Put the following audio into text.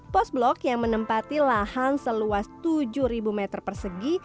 pos blok yang menempati lahan seluas tujuh meter persegi